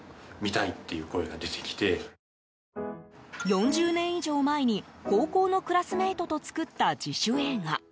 ４０年以上前に高校のクラスメートと作った自主映画。